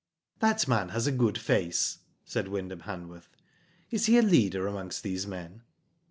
''That man has a good face," said Wyndham Hanworth. " Is he a leader amongst these men?"